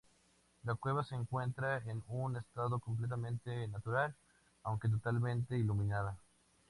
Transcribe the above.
La cueva se encuentra en un estado completamente natural, aunque totalmente iluminada.